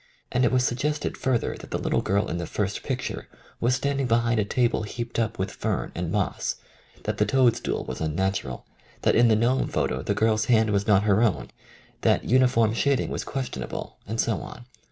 and it was suggested further that the little girl in the first picture was stand ing behind a table heaped up with fern and moss, that the toad stool was unnatural, that in the gnome photo the girl's hand was not her own, that uniform shading was question able, and so on.